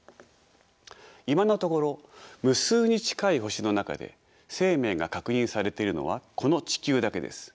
今のところ無数に近い星の中で生命が確認されているのはこの地球だけです。